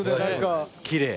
きれい。